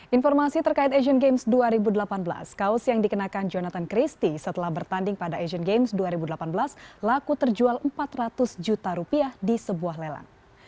informasi terkait asian games dua ribu delapan belas kaos yang dikenakan jonathan christie setelah bertanding pada asian games dua ribu delapan belas laku terjual empat ratus juta rupiah di sebuah lelang